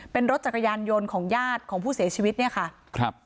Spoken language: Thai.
เป็นรถจักรยานยนต์ของญาติของผู้เสียชีวิตเนี่ยค่ะครับ